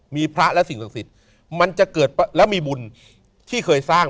มีพระและสิ่งศักดิ์สิทธิ์มันจะเกิดแล้วมีบุญที่เคยสร้าง